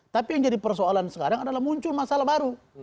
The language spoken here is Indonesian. tapi yang jadi persoalan sekarang adalah muncul masalah baru